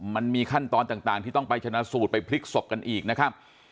มันมีขั้นตอนต่างที่ต้องไปชนะสูตรไปพลิกศพกันอีกนะครับ